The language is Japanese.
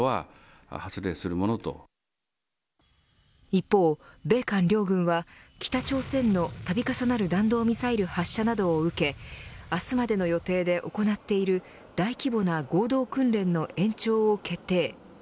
一方、米韓両軍は北朝鮮の度重なる弾道ミサイル発射などを受け明日までの予定で行っている大規模な合同訓練の延長を決定。